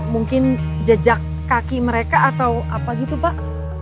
mungkin jejak kaki mereka atau apa gitu pak